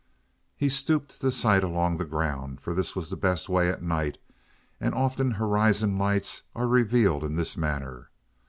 He stooped to sight along the ground, for this is the best way at night and often horizon lights are revealed in this manner.